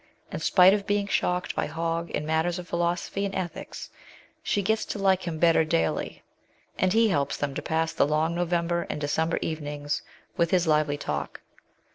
In spite of being shocked by Hogg in matters of philosophy and ethics, she gets to like him better daily, and he helps them to pass the long LIFE IN ENGLAND. 77 November and December evenings with his lively talk.